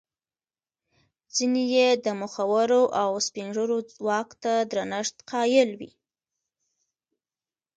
ځیني یې د مخورو او سپین ږیرو واک ته درنښت قایل وي.